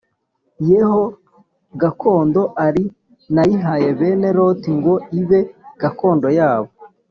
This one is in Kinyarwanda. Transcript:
ye ho gakondo ari+ nayihaye bene loti+ ngo ibe gakondo yabo